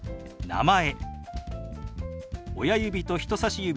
「名前」。